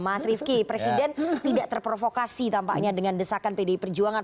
mas rifki presiden tidak terprovokasi tampaknya dengan desakan pdi perjuangan